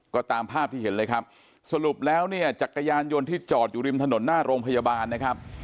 ก็ตามภาพที่เห็นเลยครับสรุปแล้วเนี่ยจักรยานยนต์ที่จอดอยู่ริมถนนหน้าโรงพยาบาลนะครับ